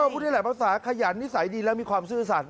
พูดได้หลายภาษาขยันนิสัยดีและมีความซื่อสัตว